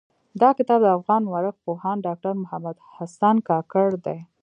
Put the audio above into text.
دا کتاب د افغان مٶرخ پوهاند ډاکټر محمد حسن کاکړ دٸ.